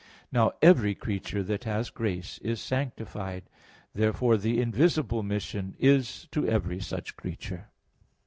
Now every creature that has grace is sanctified. Therefore the invisible mission is to every such creature.